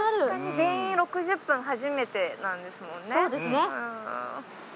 確かに全員６０分初めてなんですもんね。